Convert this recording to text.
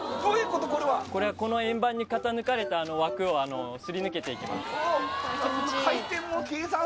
これはこの円盤に型抜かれた枠をすり抜けていきます